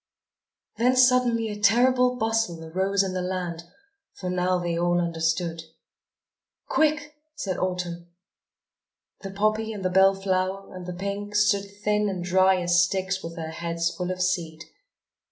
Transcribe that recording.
Then suddenly a terrible bustle arose in the land, for now they all understood. "Quick," said Autumn. The poppy and the bell flower and the pink stood thin and dry as sticks with their heads full of seed.